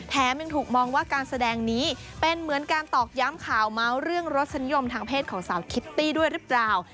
ยังถูกมองว่าการแสดงนี้เป็นเหมือนการตอกย้ำข่าวเมาส์เรื่องรสนิยมทางเพศของสาวคิตตี้ด้วยหรือเปล่า